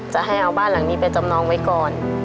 จะให้เอาบ้านหลังนี้ไปจำนองไว้ก่อน